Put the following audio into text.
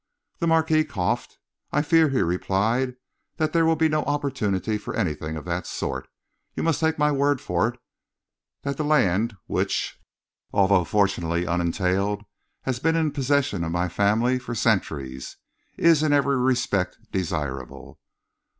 The Marquis coughed. "I fear," he replied, "that there will be no opportunity for anything of that sort. You must take my word for it that the land which, although fortunately unentailed, has been in the possession of my family for centuries, is in every respect desirable."